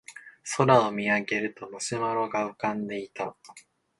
空を見上げるとマシュマロが浮かんでいた